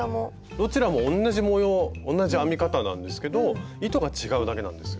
どちらも同じ模様同じ編み方なんですけど糸が違うだけなんですよ。